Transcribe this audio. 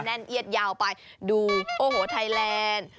เอียดยาวไปดูโอ้โหไทยแลนด์